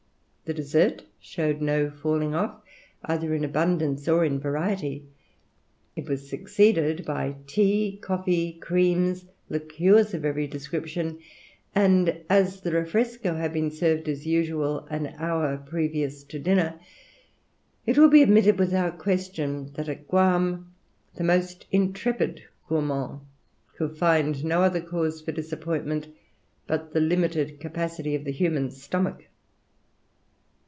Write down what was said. The dessert showed no falling off either in abundance or in variety; it was succeeded by tea, coffee, creams, liqueurs of every description; and as the 'Refresco' had been served as usual an hour previous to dinner, it will be admitted without question that at Guam the most intrepid gourmand could find no other cause for disappointment but the limited capacity of the human stomach."